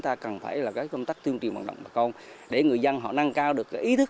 ta cần phải là cái công tác tương trình hoạt động bà con để người dân họ nâng cao được cái ý thức